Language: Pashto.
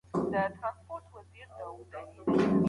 زه اوس د موسیقۍ زده کړه کوم.